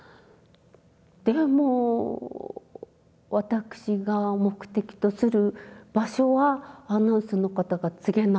でも私が目的とする場所はアナウンスの方が告げない。